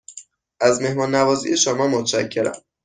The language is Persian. از مهمان نوازی شما متشکرم.